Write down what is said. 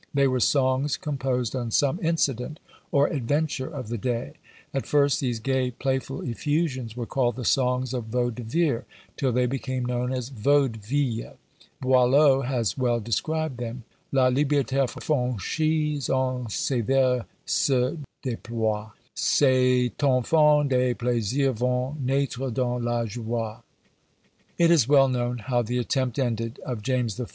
They were songs composed on some incident or adventure of the day. At first these gay playful effusions were called the songs of Vau de Vire, till they became known as Vaudevilles. Boileau has well described them: La liberté franchise en ses vers se déploie; Cet enfant de plaisir veut naître dans la joie. It is well known how the attempt ended, of James I.